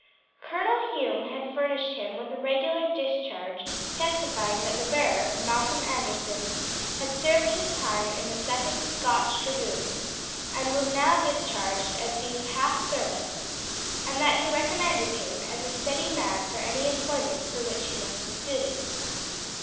Colonel Hume had furnished him with a regular discharge, testifying that the bearer, Malcolm Anderson, had served his time in the 2d Scotch Dragoons, and was now discharged as being past service, and that he recommended him as a steady man for any employment for which he might be suited.